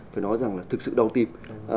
phải nói rằng là thực sự đau tịp